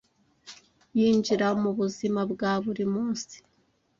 yinjira mu buzima bwa buri munsi